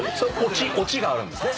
オチがあるんですね。